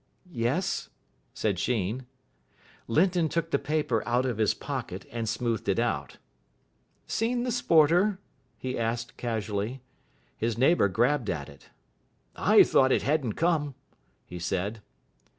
"Yes?" said Sheen. Linton took the paper out of his pocket, and smoothed it out. "Seen the Sporter?" he asked casually. His neighbour grabbed at it. "I thought it hadn't come," he said.